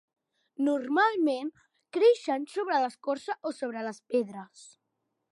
Normalment creixen sobre l'escorça o sobre les pedres.